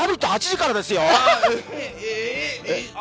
８時からですよ！